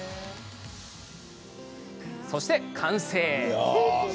そして、完成！